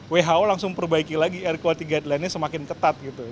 who langsung perbaiki lagi air quality guideline nya semakin ketat gitu